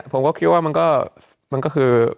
ผมก็คิดว่ามันก็คือ